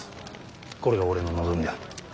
これが俺の望みだ。